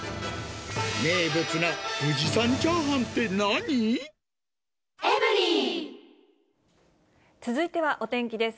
名物が富士山チャーハンって続いてはお天気です。